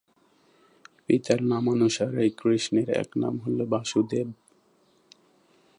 পিতার নামানুসারেই কৃষ্ণের এক নাম হল বাসুদেব।